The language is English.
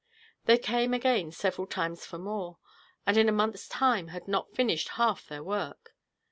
They came again several times for more, and in a month's time had not finished half their work.